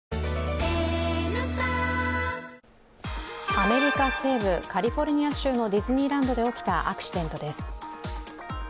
アメリカ西部・カリフォルニア州のディズニーランドで起きたアクシデントです。